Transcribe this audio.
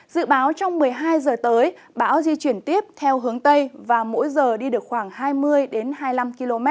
dự báo trong một mươi hai h tới bão di chuyển tiếp theo hướng tây và mỗi giờ đi được khoảng hai mươi hai mươi năm km